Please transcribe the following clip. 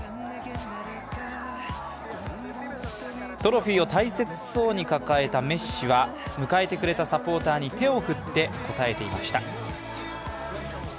トロフィーを大切そうに抱えたメッシは迎えてくれたサポーターに手を振って答えていました。